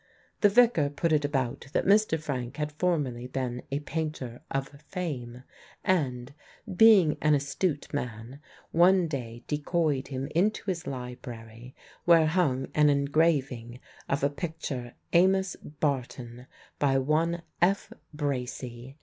The Vicar put it about that Mr. Frank had formerly been a painter of fame, and (being an astute man) one day decoyed him into his library, where hung an engraving of a picture "Amos Barton" by one F. Bracy.